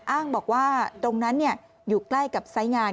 อ้างบอกว่าตรงนั้นอยู่ใกล้กับไซส์งาน